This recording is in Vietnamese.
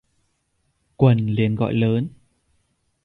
Quần liền gọi lớn